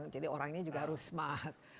jadi orangnya juga harus smart